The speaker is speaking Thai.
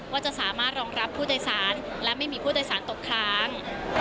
ว่าจะสามารถรองรับผู้โดยสารและไม่มีผู้โดยสารตกค้าง